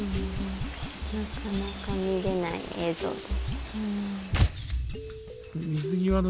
なかなか見れない映像です。